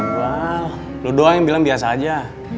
gua heran gua lo doang yang bilang biasa aja